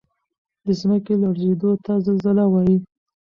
د ځمکې لړزیدو ته زلزله وایي